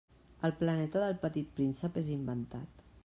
El planeta del Petit Príncep és inventat.